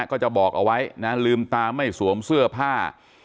ก็จะบอกเอาไว้นะลืมตาไม่สวมเสื้อผ้า